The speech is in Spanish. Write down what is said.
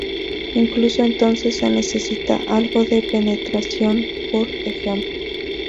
Incluso entonces se necesita algo de penetración, por ej.